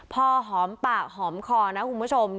พอหอมปากหอมคอนะคุณผู้ชม